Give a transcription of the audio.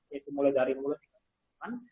yaitu mulai dari mulut ke depan